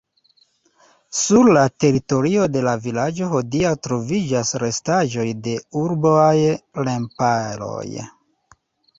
Sur la teritorio de la vilaĝo hodiaŭ troviĝas restaĵoj de urbaj remparoj.